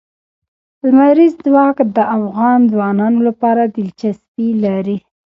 لمریز ځواک د افغان ځوانانو لپاره دلچسپي لري.